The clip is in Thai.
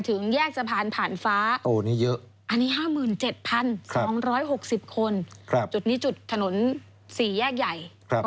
ถึงแยกสะพานผ่านฟ้าอันนี้๕๗๒๖๐คนจุดนี้จุดถนน๔แยกใหญ่